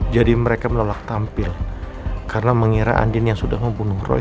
jadi mereka menolak tampil karena mengira andin yang sudah membunuh roy